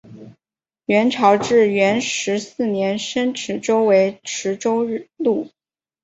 元朝至元十四年升池州为池州路。